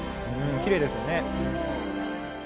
きれいですよね。